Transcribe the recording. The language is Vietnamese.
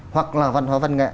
hoặc là văn hóa văn nghệ